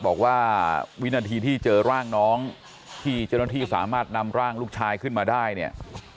บอกว่าวินาทีที่เจอร่างน้องที่เจ้าหน้าที่สามารถนำร่างลูกชายขึ้นมาได้เนี่ย